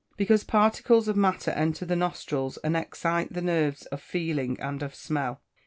_ Because particles of matter enter the nostrils and excite the nerves of feeling and of smell.